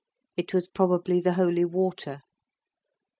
It was probably the holy water.